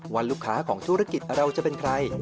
ว่าลูกค้าของธุรกิจเราจะเป็นใคร